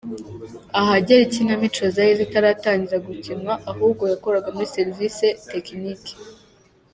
Ahagera Ikinamico zari zitaratangira gukinwa ahubwo yakoraga muri serivisi tekiniki.